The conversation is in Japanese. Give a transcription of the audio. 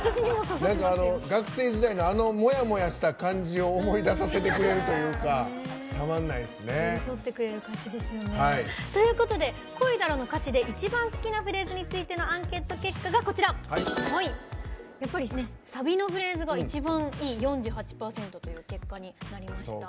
学生時代のもやもやした感じを思い出させてくれるというかたまんないですね。ということで「恋だろ」の歌詞で一番好きなフレーズについてのアンケート結果がやっぱりサビのフレーズが一番いい４８％という結果になりました。